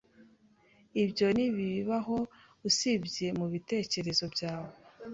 Ibyo ntibibaho usibye mubitekerezo byawe.